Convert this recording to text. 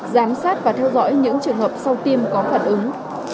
giám sát và theo dõi những trường hợp sau tiêm có phản ứng